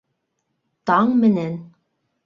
Таң менән.